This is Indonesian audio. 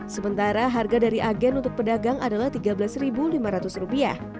sementara harga dari agen untuk pedagang adalah rp tiga belas lima ratus